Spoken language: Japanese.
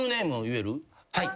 はい。